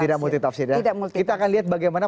tidak multitafsir kita akan lihat bagaimana